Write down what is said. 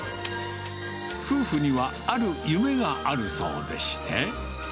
夫婦にはある夢があるそうでして。